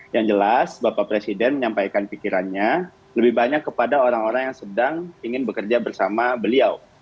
yang jelas bapak presiden menyampaikan pikirannya lebih banyak kepada orang orang yang sedang ingin bekerja bersama beliau